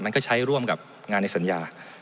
มันก็ใช้ร่วมกับงานในสัญญา